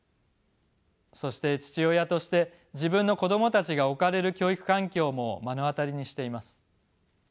そして父親として自分の子どもたちが置かれる教育環境も目の当たりにしています。